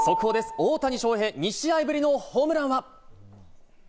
大谷翔平、２試合ぶりのホームランは？